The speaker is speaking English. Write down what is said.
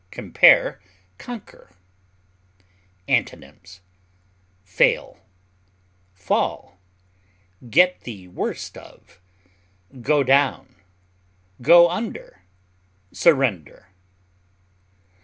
Compare CONQUER. Antonyms: fail, fall, get the worst of, go down, go under, surrender.